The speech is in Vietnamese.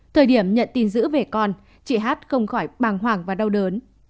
thời điểm nhận tin dữ về con chị h không khỏi bàng hoàng và đau đớn